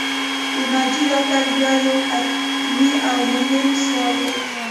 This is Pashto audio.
د ناجيې راتګ بیا یو حتمي او مهم سوال و